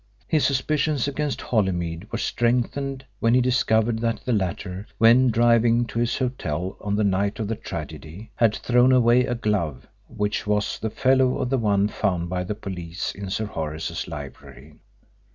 His suspicions against Holymead were strengthened when he discovered that the latter, when driving to his hotel on the night of the tragedy, had thrown away a glove which was the fellow of the one found by the police in Sir Horace's library.